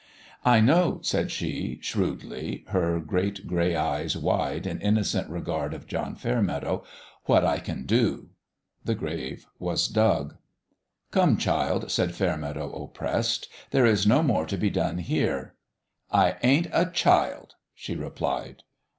" I know," said she, shrewdly, her great gray eyes wide in innocent regard of John Fair meadow, " what / can do." The grave was dug. " Come, child," said Fairmeadow, oppressed ;" there is no more to be done here." " I ain't a child," she replied.